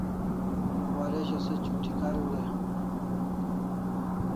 Waresho se ch'uti kariu dai